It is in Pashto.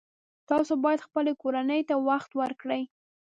تاسو باید خپلې کورنۍ ته وخت ورکړئ